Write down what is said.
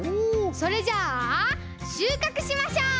それじゃあしゅうかくしましょう！